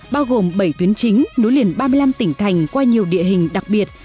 bao gồm bảy tuyến chính nối liền ba mươi năm tỉnh thành qua nhiều địa hình đặc biệt